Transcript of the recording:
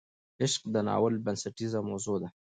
عشق د ناول بنسټیزه موضوع ده.